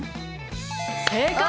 正解！